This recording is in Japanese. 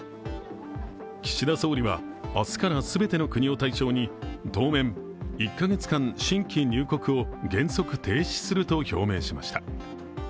岸田総理は明日から全ての国を対象に当面１カ月間、新規入国を原則停止すると表明しました。